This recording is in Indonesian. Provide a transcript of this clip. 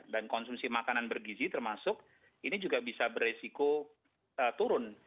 dan konsumsi makanan bergizi termasuk ini juga bisa beresiko turun